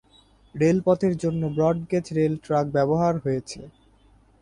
রেলপথের জন্য broad gauge rail track ব্যবহার হয়েছে।